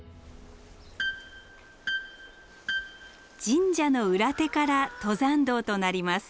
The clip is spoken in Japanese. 神社の裏手から登山道となります。